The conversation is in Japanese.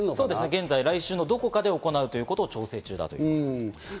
現在、来週のどこかで行われることを調整中ということです。